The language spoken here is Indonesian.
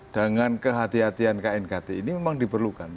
dengan kehati hatian knkt ini memang diperlukan